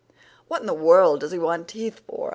"What in the world does he want teeth for?"